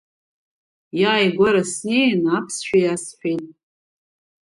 Иааигәара снеин аԥсшәа иасҳәеит.